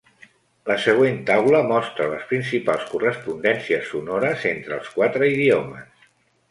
La següent taula mostra les principals correspondències sonores entre els quatre idiomes.